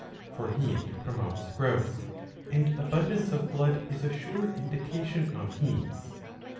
^^ For heat promotes growth, and' abundance of blood is a sure indication of heat.